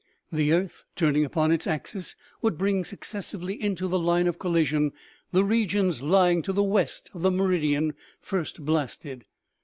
The earth, turning upon its axis, would bring successively into the line of collision, the regions lying to the west of the meridian first blasted.